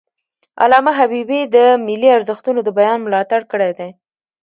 علامه حبیبي د ملي ارزښتونو د بیان ملاتړ کړی دی.